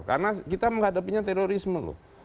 karena kita menghadapinya terorisme loh